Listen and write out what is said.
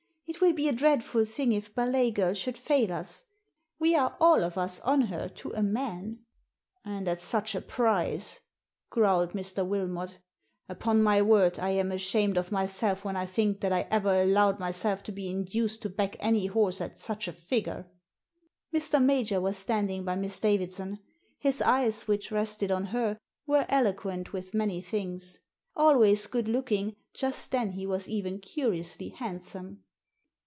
It will be a dreadful thing if Ballet Girl should fail us. We are all of us on her to a man." Digitized by VjOOQIC THE TIPSTER 147 '*And at such a price 1" growled Mr. Wilmot "Upon my word, I am ashamed of myself when I think that I ever allowed myself to be induced to back any horse at such a figure." Mr. Major was standing by Miss Davidson. His eyes, which rested on her, were eloquent with many things. Always good looking, just then he was even curiously handsome.